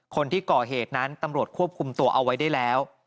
คนที่ก่อเหตุนั้นตำรวจควบคุมตัวเอาไว้ได้แล้ว